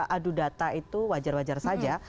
adu data itu wajar wajar saja